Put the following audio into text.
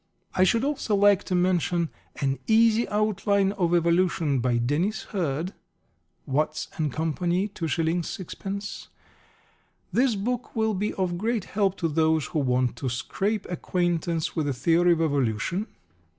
I should also like to mention An Easy Outline of Evolution, by Dennis Hird (Watts & Co., 2s. 6d.). This book will be of great help to those who want to scrape acquaintance with the theory of evolution.